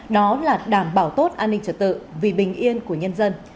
đó là đảm bảo tốt an ninh trật tự vì bình yên của nhân dân